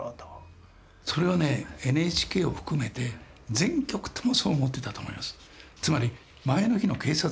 ＮＨＫを含めて全局ともそう思ってたと思います。